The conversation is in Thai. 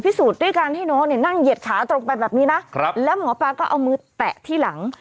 พิสูจน์ด้วยการให้น้องเนี่ยนั่งเหยียดขาตรงไปแบบนี้นะครับแล้วหมอปลาก็เอามือแตะที่หลัง